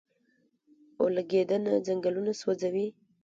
اورلګیدنه ځنګلونه سوځوي